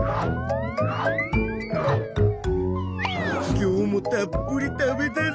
今日もたっぷり食べたぞ！